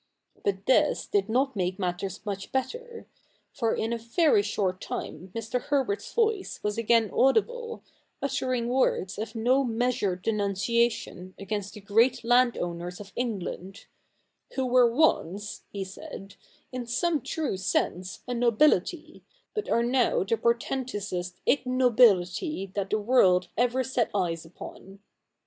But this did not make matters much better ; for in a very short time Mr. Herbert's voice was again audible, uttering words of no measured denunciation against the great land owners of England, ' who were once,' he said, ' in some true sense a Nobility, but are now the portentousest Ignobility that the world ever set eyes upon.'